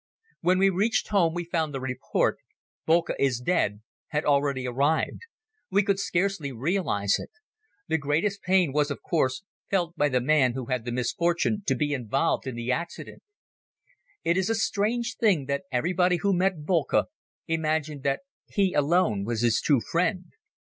When we reached home we found the report "Boelcke is dead!" had already arrived. We could scarcely realize it. The greatest pain was, of course, felt by the man who had the misfortune to be involved in the accident. It is a strange thing that everybody who met Boelcke imagined that he alone was his true friend.